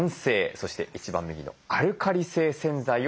そして一番右のアルカリ性洗剤を使いましょう。